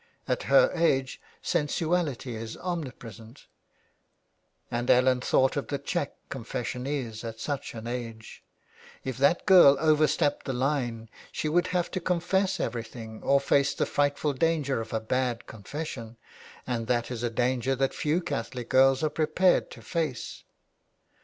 At her age sen suality is omnipresent, and Ellen thought of the check confession is at such an age. If that girl overstepped the line she would have to confess everything, or face the frightful danger of a bad confession, and that is a danger that few Catholic girls are prepared to face. 361 THE WILD GOOSE.